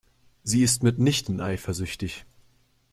Sie ist mitnichten eifersüchtig.